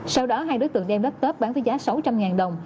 sau đó hai đối tượng đem laptop bán với giá sáu trăm linh đồng